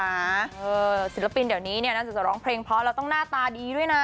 ศิลปินเดี๋ยวนี้เนี่ยน่าจะร้องเพลงเพราะแล้วต้องหน้าตาดีด้วยนะ